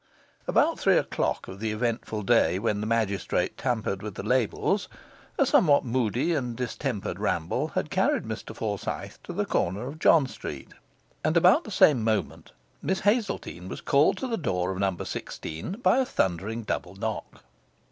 About three o'clock of the eventful day when the magistrate tampered with the labels, a somewhat moody and distempered ramble had carried Mr Forsyth to the corner of John Street; and about the same moment Miss Hazeltine was called to the door of No. 16 by a thundering double knock.